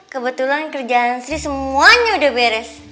kebetulan kerjaan sri semuanya udah beres